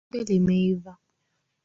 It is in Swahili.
Embe limeiva